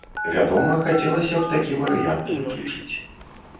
Вядома, хацелася б такі варыянт выключыць.